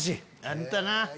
あったな！